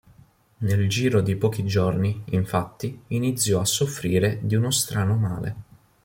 Nel giro di pochi giorni, infatti, iniziò a soffrire di uno strano male.